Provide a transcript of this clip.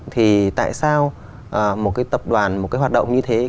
thì tại sao một cái tập đoàn một cái hoạt động như thế